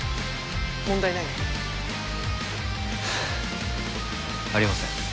問題ないね？はあありません。